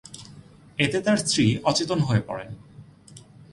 এতে তার স্ত্রী অচেতন হয়ে পড়েন।